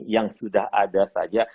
yang sudah ada saja